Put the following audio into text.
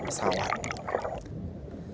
kondisi badan pesawat yang sudah tak lagi utuh